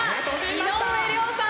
井上涼さん